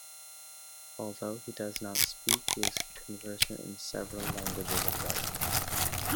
Although he does not speak, he is conversant in several languages in writing.